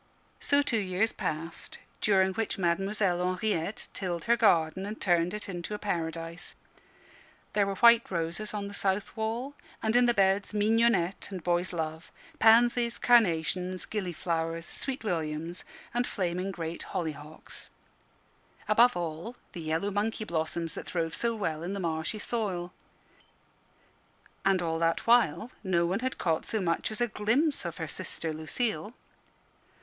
So two years passed, during which Mademoiselle Henriette tilled her garden and turned it into a paradise. There were white roses on the south wall, and in the beds mignonette and boy's love, pansies, carnations, gillyflowers, sweet williams, and flaming great hollyhocks; above all, the yellow monkey blossoms that throve so well in the marshy soil. And all that while no one had caught so much as a glimpse of her sister, Lucille.